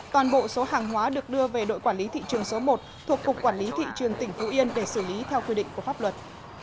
toàn bộ số hàng hóa được đưa về đội quản lý thị trường số một thuộc cục quản lý thị trường tỉnh phú yên để xử lý theo quy định của pháp luật